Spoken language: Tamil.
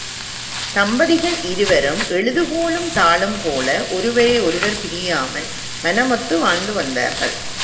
தம்பதிகள் இருவரும் எழுதுகோலும் தாளும் போல ஒருவரை ஒருவர் பிரியாமல் மனமொத்து வாழ்ந்து வந்தார்கள்.